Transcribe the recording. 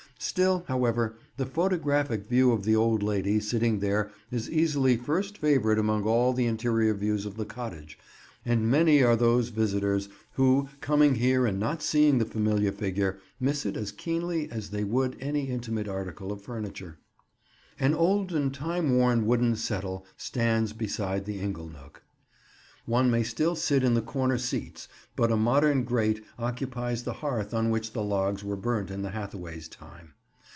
Still, however, the photographic view of the old lady sitting there is easily first favourite among all the interior views of the cottage; and many are those visitors who, coming here and not seeing the familiar figure, miss it as keenly as they would any intimate article of furniture. [Picture: The Living Room, Anne Hathaway's Cottage] An old and time worn wooden settle stands beside the ingle nook. One may still sit in the corner seats, but a modern grate occupies the hearth on which the logs were burnt in the Hathaways' time.